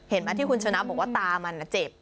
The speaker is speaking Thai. เห็นไหมที่คุณชนะบอกว่าตามันเจ็บ